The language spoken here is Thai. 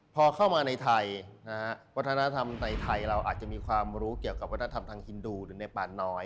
พอเข้ามาในไทยนะฮะวัฒนธรรมในไทยเราอาจจะมีความรู้เกี่ยวกับวัฒนธรรมทางฮินดูหรือในป่าน้อย